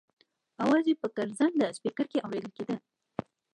اواز یې په ګرځنده سپېکر کې اورېدل کېده.